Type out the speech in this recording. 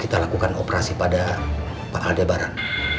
kita lakukan operasi pada pak aldebaran